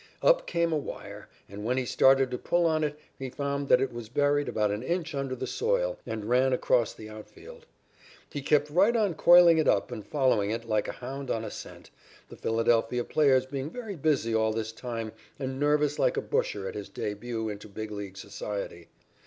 Up came a wire, and when he started to pull on it he found that it was buried about an inch under the soil and ran across the outfield. He kept right on coiling it up and following it, like a hound on a scent, the Philadelphia players being very busy all this time and nervous like a busher at his début into Big League society.